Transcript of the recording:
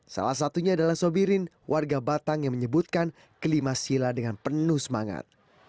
salah satunya adalah sobirin warga batang yang menyebutkan kelima sila dengan penuh semangat